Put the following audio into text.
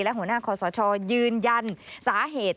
และหัวหน้าคอสชยืนยันสาเหตุ